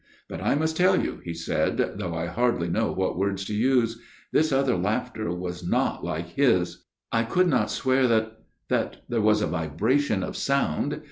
"But I must tell you," he said, "though I hardly know what words to use. ... This other laughter was not like his. I could not swear that that there was a vibration of sound.